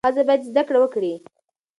ښځه باید زده کړه وکړي.